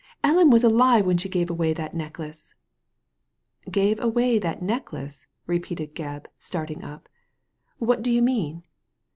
"Ellen was alive when she gave away that neck lace." " Gave away that necklace I " repeated Gebb, start ing up. " What do you mean